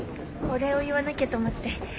お礼を言わなきゃと思って。